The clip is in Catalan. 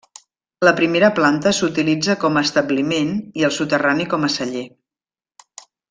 La primera planta s'utilitza com a establiment i el soterrani com a celler.